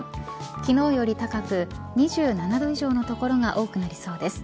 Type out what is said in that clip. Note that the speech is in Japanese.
昨日より高く２７度以上の所が多くなりそうです。